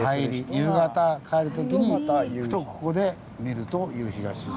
夕方帰る時にふとここで見ると夕日が沈む。